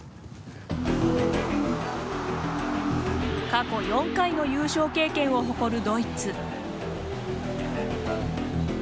過去４回の優勝経験を誇るドイツ。